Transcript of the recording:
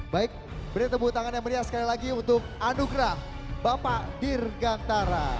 baik beri tepuk tangan yang meriah sekali lagi untuk anugerah bapak dirgantara